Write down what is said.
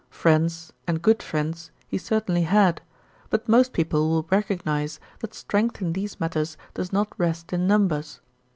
Friends, and good friends, he certainly had ; but most people will recognise that strength in these matters does not rest in numbers.